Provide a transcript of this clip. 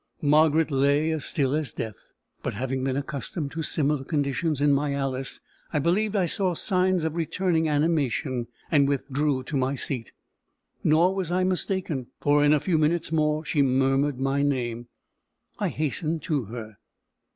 Margaret lay as still as death. But having been accustomed to similar conditions in my Alice, I believed I saw signs of returning animation, and withdrew to my seat. Nor was I mistaken; for, in a few minutes more, she murmured my name. I hastened to her.